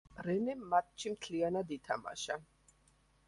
რენემ მატჩი მთლიანად ითამაშა.